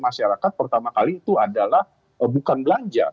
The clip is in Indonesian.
masyarakat pertama kali itu adalah bukan belanja